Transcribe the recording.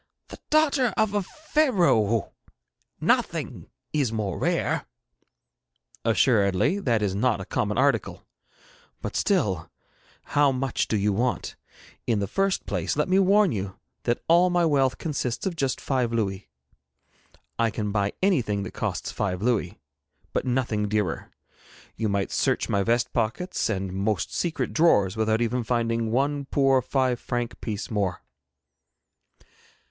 The daughter of a Pharaoh! Nothing is more rare.' 'Assuredly that is not a common article, but still, how much do you want? In the first place let me warn you that all my wealth consists of just five louis. I can buy anything that costs five louis, but nothing dearer. You might search my vest pockets and most secret drawers without even finding one poor five franc piece more.'